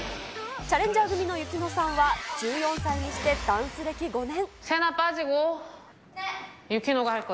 チャレンジャー組のユキノさんは、１４歳にしてダンス暦５年。